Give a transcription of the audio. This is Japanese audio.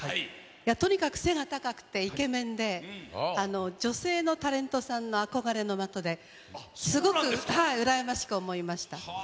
とにかく背が高くて、イケメンで、女性のタレントさんの憧れの的で、すごく羨ましく思いました。